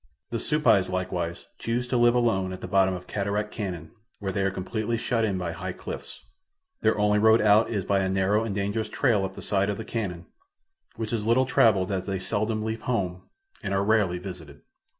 The Supais, likewise, choose to live alone at the bottom of Cataract Canon where they are completely shut in by high cliffs. Their only road out is by a narrow and dangerous trail up the side of the canon, which is little traveled as they seldom leave home and are rarely visited.